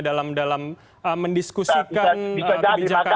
dalam mendiskusikan kebijakan ini bagaimana